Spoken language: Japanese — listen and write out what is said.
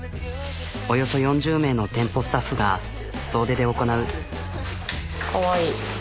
およそ４０名の店舗スタッフが総出で行なう。